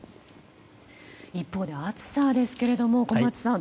一方で暑さですけれども小松さん